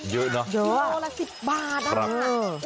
เยอะละ๑๐บาท